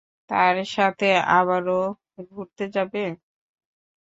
তার সাথে আবারো ঘুরতে যাবে?